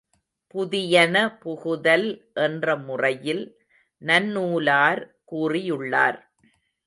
புதியன புகுதல் என்ற முறையில், நன்னூலார் கூறியுள்ளார்.